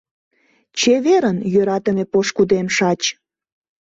Чеверын, йӧратыме пошкудем-шач!